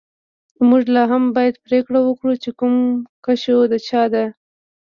موږ لاهم باید پریکړه وکړو چې کوم کشو د چا ده